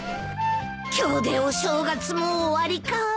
今日でお正月も終わりか。